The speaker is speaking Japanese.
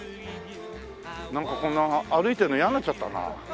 なんかこんな歩いてるの嫌になっちゃったな。